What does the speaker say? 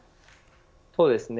そうですね。